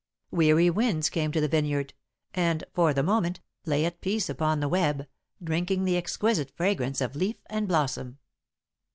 Weary winds came to the vineyard, and, for the moment, lay at peace upon the web, drinking the exquisite fragrance of leaf and blossom.